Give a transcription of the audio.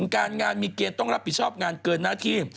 การงานมีเกณฑ์ต้องรับผิดชอบงานเกินหน้าที่